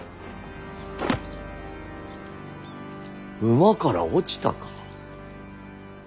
馬から落ちたか。